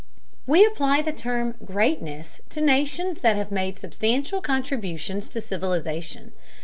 We apply the term greatness to nations that have made substantial contributions to civilization.